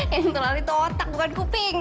yang terlalu itu otak bukan kuping